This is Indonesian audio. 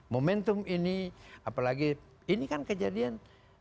momentum ini apalagi ini kan kejadian